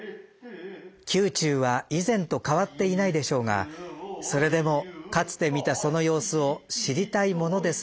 「宮中は以前と変わっていないでしょうがそれでもかつて見たその様子を知りたいものですね」。